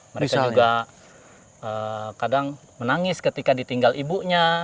mereka juga kadang menangis ketika ditinggal ibunya